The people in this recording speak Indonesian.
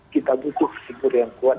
kita butuh figur yang kuat